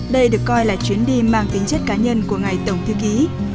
đây được coi là chuyến đi mang tính chất cá nhân của ngài tổng thư ký